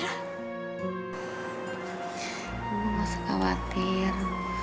aku gak usah khawatir